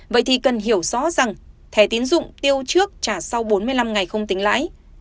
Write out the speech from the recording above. vậy thì cần hiểu rõ rằng thẻ tiến dụng tiêu trước trả sau bốn mươi năm ngày không tính lãi